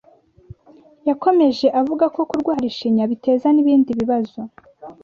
Yakomeje avuga ko kurwara ishinya biteza n'ibindi bibazo